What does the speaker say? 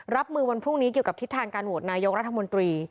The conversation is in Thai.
รับมือวันพรุ่งนี้เกี่ยวกับทิศทางการโหวตนายกรัฐมนตรี